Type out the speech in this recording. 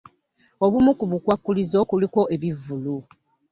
Obumu ku bukwakkulizo kuliko ebivvulu